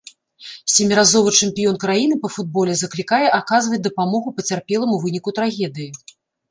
Сяміразовы чэмпіён краіны па футболе заклікае аказваць дапамогу пацярпелым у выніку трагедыі.